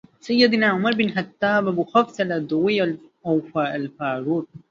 سيدنا عمر بن الخطاب أبو حفص العدوي أو “الفاروق”